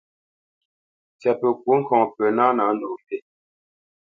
Ntsyapǝ kwó ŋkɔŋ pǝ ná nâ ndo mbî.